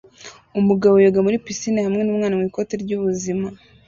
Umugabo yoga muri pisine hamwe numwana mwikoti ryubuzima